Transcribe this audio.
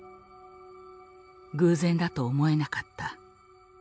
偶然だと思えなかった。